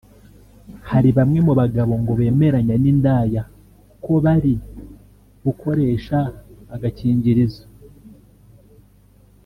Hari Bamwe mu bagabo ngo bemeranya n’indaya ko bari bukoresha agakingirizo